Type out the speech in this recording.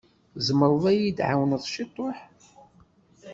Tzemreḍ ad yi-tεwawneḍ ciṭuḥ?